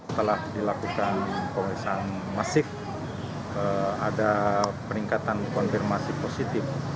setelah dilakukan pemeriksaan masif ada peningkatan konfirmasi positif